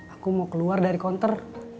aku mau keluar dari konter